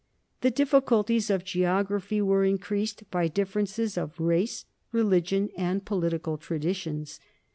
The difficulties of geography were increased by differences of race, religion, and political traditions.